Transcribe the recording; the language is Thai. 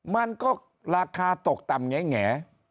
มันก็ราคาตกต่ำแง่